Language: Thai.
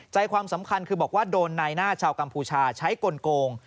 ความสำคัญคือบอกว่าโดนนายหน้าชาวกัมพูชาใช้กลง